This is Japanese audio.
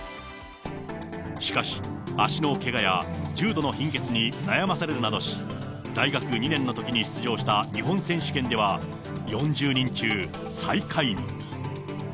しかし、足のけがや重度の貧血に悩まされるなどし、大学２年のときに出場した日本選手権では、４０人中最下位に。